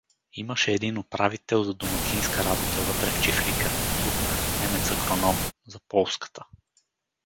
Имаше един управител за домакинска работа вътре в чифлика, друг, немец-агроном — за полската.